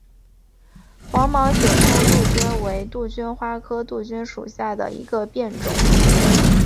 黄毛雪山杜鹃为杜鹃花科杜鹃属下的一个变种。